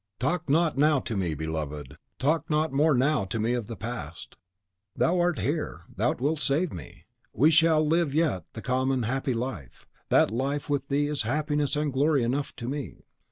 "Talk not now to me, beloved, talk not more now to me of the past! Thou art here, thou wilt save me; we shall live yet the common happy life, that life with thee is happiness and glory enough to me.